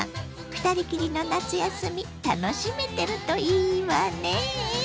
２人きりの夏休み楽しめてるといいわね。